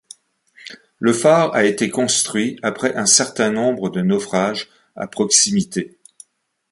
Le phare a été construit après un certain nombre de naufrages à proximité.